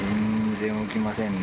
全然動きませんね。